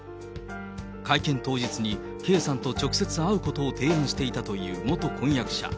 会見当日に圭さんと直接会うことを提案していたという元婚約者。